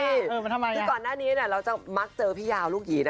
เออมันทำไมล่ะที่ก่อนหน้านี้เนี่ยเราจะมักเจอพี่ยาวลูกยีน